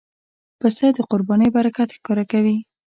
پسه د قربانۍ برکت ښکاره کوي.